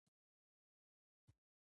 هغه د روښانه غزل پر مهال د مینې خبرې وکړې.